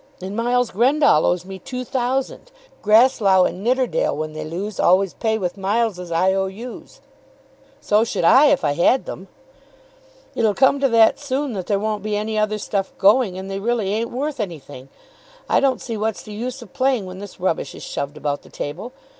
"And Miles Grendall owes me two thousand. Grasslough and Nidderdale when they lose always pay with Miles's I. O. U.'s." "So should I, if I had them." "It'll come to that soon that there won't be any other stuff going, and they really ain't worth anything. I don't see what's the use of playing when this rubbish is shoved about the table.